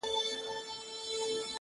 د کلي حوري په ټول کلي کي لمبې جوړي کړې ـ